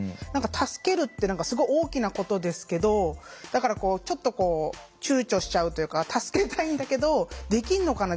助けるってすごい大きなことですけどだからちょっとこうちゅうちょしちゃうというか助けたいんだけどできんのかな？